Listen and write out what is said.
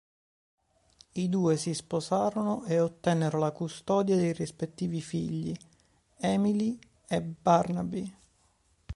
I due si sposarono e ottennero la custodia dei rispettivi figli, Émilie e Barnaby.